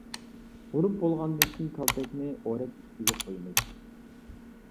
ئۇرۇپ بولغاندىن كېيىن كالتەكنى ئورەك ئۈستىگە قويىمىز.